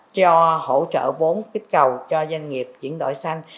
cho hỗ trợ vốn kích cầu cho doanh nghiệp chuyển đổi xanh